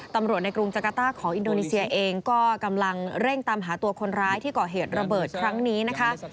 ตำรวจในกรุงจักรต้าของอินโดนีเซียเองก็กำลังเร่งตามหาตัวคนร้ายที่ก่อเหตุระเบิดครั้งนี้นะคะ